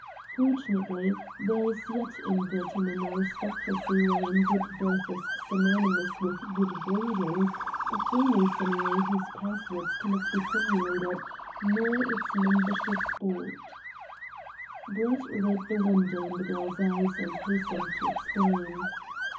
Fortunately, there is yet in Britain an aristocracy wherein good birth is synonymous with good breeding a freemasonry whose passwords cannot be simulated, nor its membership bought. Brett read the wonder in the girl's eyes, and hastened to explain.